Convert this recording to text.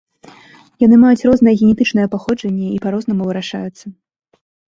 Яны маюць рознае генетычнае паходжанне і па-рознаму вырашаюцца.